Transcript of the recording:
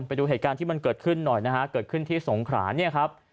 ไปดูเหตุการณ์ที่มันเกิดขึ้นหน่อยนะฮะเกิดขึ้นที่สงขราเนี่ยครับ